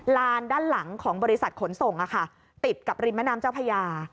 ลานด้านหลังของบริษัทขนส่งติดกับริมนามเจ้าพญา